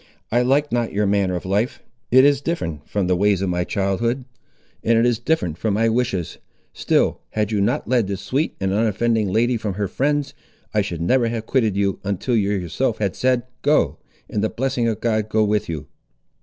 I like not your manner of life; it is different from the ways of my childhood, and it is different from my wishes; still, had you not led this sweet and unoffending lady from her friends, I should never have quitted you, until you yourself had said, Go, and the blessing of God go with you!"